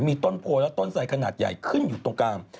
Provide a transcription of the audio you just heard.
มีต้นโพและต้นไสขนาดใหญ่ขึ้นอยู่ตรงกลาง